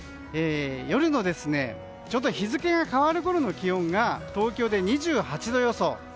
夜のちょうど日付が変わるころの気温が東京で２８度予想。